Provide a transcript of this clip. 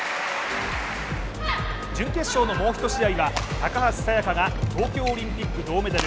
準決勝のもう一試合は高橋沙也加が東京オリンピック銅メダル